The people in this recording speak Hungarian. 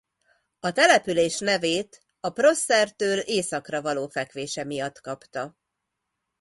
A település nevét a Prossertől északra való fekvése miatt kapta.